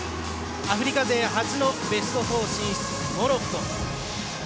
アフリカ勢初のベスト４進出モロッコ。